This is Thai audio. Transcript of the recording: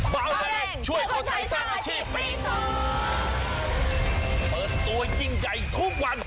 เปิดตัวจริงใจทุกวัน